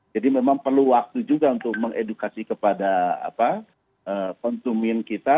jadi memang perlu waktu juga untuk mengedukasi kepada konsumen kita